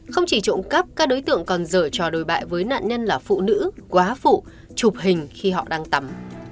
không chỉ trộm cắp các đối tượng còn dở trò đồi bại với nạn nhân là phụ nữ quá phụ chụp hình khi họ đang tắm